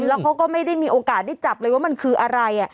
แล้วเขาก็ไม่ได้มีโอกาสได้จับเลยว่ามันคืออะไร